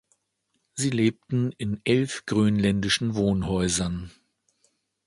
Sie lebten in elf grönländischen Wohnhäusern.